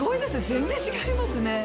全然違いますね。